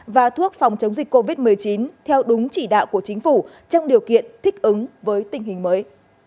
và thuốc phòng chống dịch covid một mươi chín theo đúng chỉ đạo của chính phủ trong điều kiện thích ứng với tình hình mới